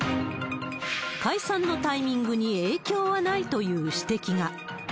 解散のタイミングに影響はないという指摘が。